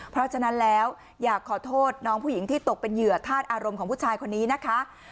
เพราะฉะนั้นแล้วอยากขอโทษน้องผู้หญิงที่ตกเป็นเหยื่อธาตุอารมณ์ของผู้ชายคนนี้นะคะ